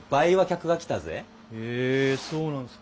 へえそうなんすか。